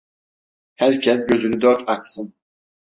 Herkes gözünü dört açsın.